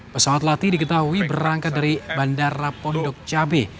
pesawat latih diketahui berangkat dari bandara pondok cabe